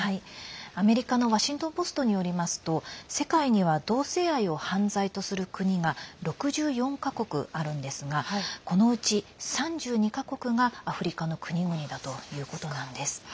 アメリカのワシントン・ポストによりますと世界には同性愛を犯罪とする国が６４か国あるんですがこのうち、３２か国がアフリカの国々だということです。